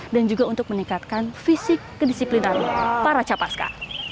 dan juga untuk meningkatkan fisik kedisiplinan para capa ska